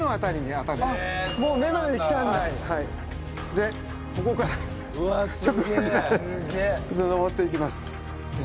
でここからちょっとこちらで登っていきます。